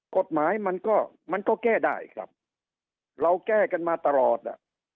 กฎหมายมันก็มันก็แก้ได้ครับเราแก้กันมาตลอดอ่ะ